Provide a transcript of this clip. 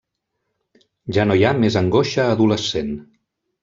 Ja no hi ha més angoixa adolescent.